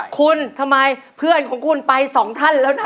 คุณทำไมเพื่อนของคุณไปสองท่านแล้วนะ